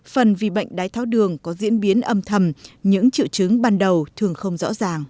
phần vì bệnh đái tháo đường có diễn biến âm thầm những triệu chứng ban đầu thường không rõ ràng